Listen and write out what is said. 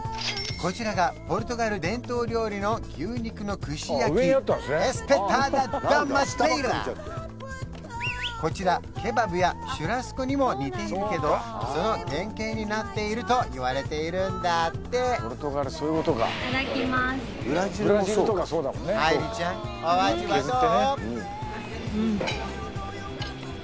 こちらがポルトガル伝統料理のこちらケバブやシュラスコにも似ているけどその原形になっているといわれているんだってあいりちゃんお味はどう？